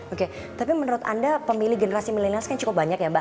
oke tapi menurut anda pemilih generasi milenial kan cukup banyak ya mbak